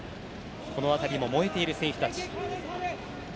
この辺りにも燃えている選手。